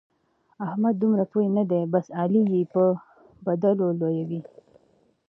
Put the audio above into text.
احمد دومره پوه نه دی؛ بس علي يې به بدلو لويوي.